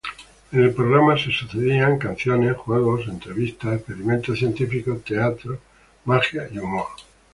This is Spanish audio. En el programa se sucedían canciones, juegos, entrevistas, experimentos científicos, teatro, magia y humor.